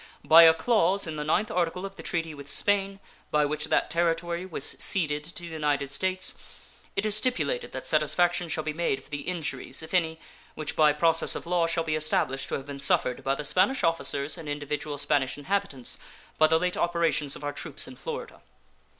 By a clause in the 9th article of the treaty with Spain, by which that Territory was ceded to the United States, it is stipulated that satisfaction shall be made for the injuries, if any, which by process of law shall be established to have been suffered by the Spanish officers and individual Spanish inhabitants by the late operations of our troops in Florida.